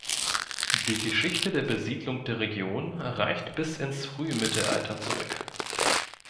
Die Geschichte der Besiedlung der Region reicht bis ins Frühmittelalter zurück.